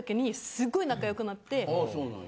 ああそうなんや。